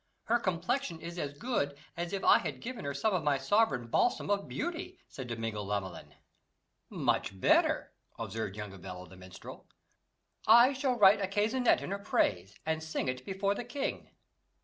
"Her complexion is as good as if I had given her some of my sovereign balsam of beauty," said Domingo Lamelyn. "Much better," observed Joungevello, the minstrel; "I shall write a canzonet in her praise, and sing it before the king."